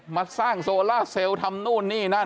มาสร้างโซล่าเซลล์ทำนู่นนี่นั่น